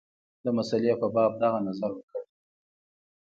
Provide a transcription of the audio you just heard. د مسلې په باب دغه نظر ورکړی وو.